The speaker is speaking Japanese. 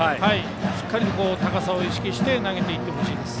しっかり高さを意識して投げていってほしいです。